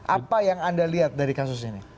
apa yang anda lihat dari kasus ini